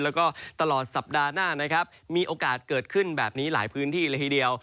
แล้วก็ตลอดสัปดาห์หน้านะครับมีโอกาสเกิดขึ้นแบบนี้หลายพื้นที่เลยทีเดียว